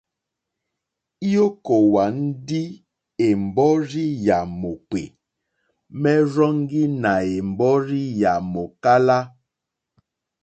I okòwà ndi è mbɔrzi yà mòkpè, merzɔŋgi nà è mbɔrzi yà mòkala.